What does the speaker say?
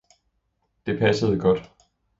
Det passede godt.